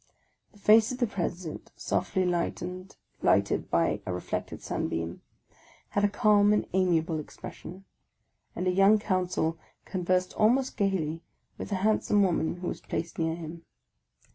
The face of the President, softly lighted by a reflected sunbeam, had a calm and amiable expression ; and a young counsel conversed almost gaily with a handsome woman who was placed near him.